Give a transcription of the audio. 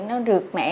nó rượt mẹ